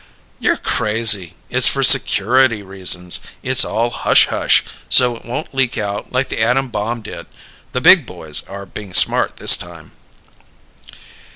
"You're crazy. It's for security reasons. It's all hush hush so it won't leak out like the atom bomb did. The big boys are being smart this time."